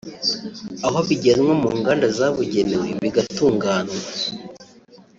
aho bijyanwa mu nganda zabugenewe bigatunganywa